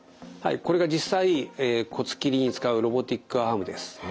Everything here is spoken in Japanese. これが実際骨切りに使うロボティックアームです。